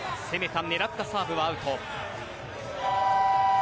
攻めた、狙ったサーブはアウト。